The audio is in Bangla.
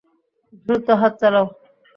দ্রুত হাত চালাও!